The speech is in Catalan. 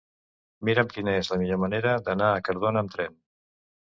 Mira'm quina és la millor manera d'anar a Cardona amb tren.